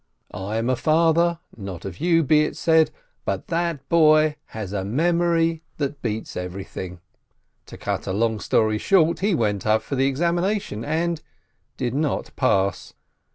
I am a father, not of you be it said! but that boy has a memory that beats everything! To cut a long story short, he went up for examination and — did not pass!